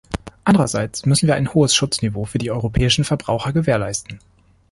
Andererseits müssen wir ein hohes Schutzniveau für die europäischen Verbraucher gewährleisten.